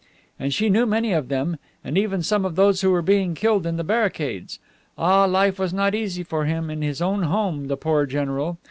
And she knew many of them, and even some of those who were being killed on the barricades. Ah, life was not easy for him in his own home, the poor general!